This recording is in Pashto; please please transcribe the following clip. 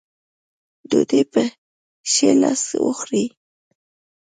ډوډۍ پۀ ښي لاس وخورئ ـ